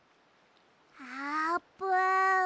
あーぷん。